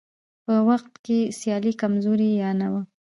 په هغه وخت کې سیالي کمزورې یا نه وه.